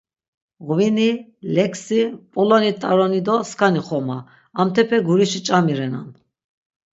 Ğvini, leksi, mp̌uloni t̆aroni do skani xoma... Amtepe gurişi ç̆ami renan.